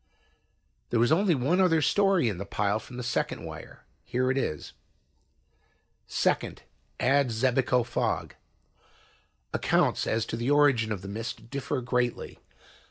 There was only one other story in the pile from the second wire. Here it is: "2nd add Xebico Fog. "Accounts as to the origin of the mist differ greatly.